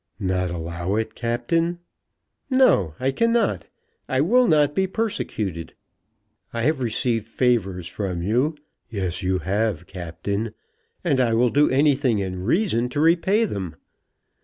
"Not allow it, Captain?" "No; I cannot. I will not be persecuted. I have received favours from you " "Yes, you have, Captain." "And I will do anything in reason to repay them."